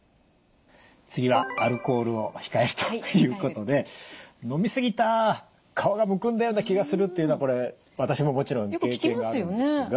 次はアルコールを控えるということで飲み過ぎた顔がむくんだような気がするというのはこれ私ももちろん経験があるんですが。